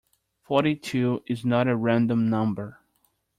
Forty-two is not a random number.